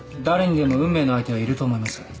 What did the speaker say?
誰にでも運命の相手はいると思います。